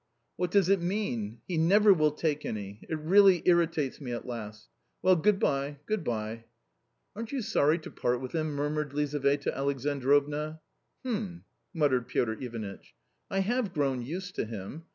(" What does it mean ! he never will take any ; it really Virritates me at last. Well, good bye, good bye." "Aren't you sorry to part with him?" murmured Lizaveta Alexandrovna. " Hm !" muttered Piotr Ivanitch, " I have grown used to him.